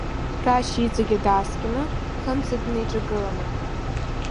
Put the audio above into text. Рашь иҵегьгьы дааскьаны, Хымца днеиҿагыланы.